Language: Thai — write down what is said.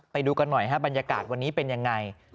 ไปดูกันหน่อยครับบรรยากาศวันนี้เป็นยังไง